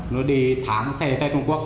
nó đi tháng xe tới trung quốc